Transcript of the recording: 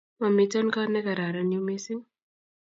Mamiten koot negararan yu missing